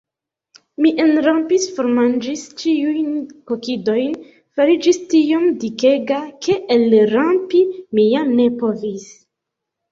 Mi enrampis, formanĝis ĉiujn kokidojn, fariĝis tiom dikega, ke elrampi mi jam ne povis.